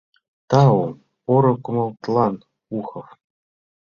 — Тау поро кумылетлан, Ухов.